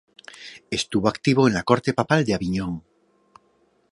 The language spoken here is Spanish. Estuvo activo en la corte papal de Aviñón.